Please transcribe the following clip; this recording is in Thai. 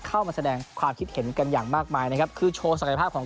เข้ามาแสดงความคิดเห็นกันอย่างมากมายนะครับคือโชว์ศักยภาพของ